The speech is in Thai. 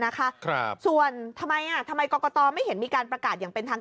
นะครับส่วนทำไมอ่ะทำไมกรกตไม่เห็นมีการประกาศอย่างเป็นทาง